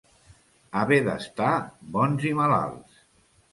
Haver d'estar bons i malalts.